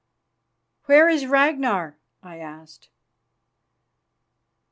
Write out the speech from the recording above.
"Where is Ragnar?" I asked.